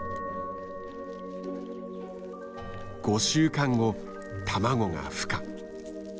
５週間後卵がふ化。